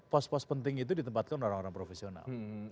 pos pos penting itu ditempatkan orang orang profesional